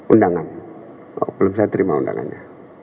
undangan belum saya terima undangannya